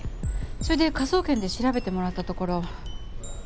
それで科捜研で調べてもらったところ。